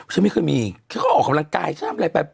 ฉันไม่เคยมีฉันก็ออกกำลังกายฉันทำอะไรไป